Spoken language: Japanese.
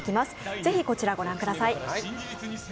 ぜひこちらご覧ください。